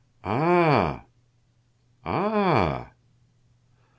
"Ah! Ah!